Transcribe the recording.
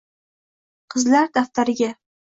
«Qizlar daftariga... »